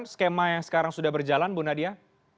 skema yang sekarang sudah berjalan bu nadia